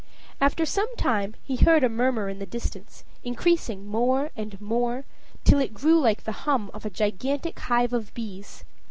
After some time he heard a murmur in the distance, increasing more and more till it grew like the hum of a gigantic hive of bees.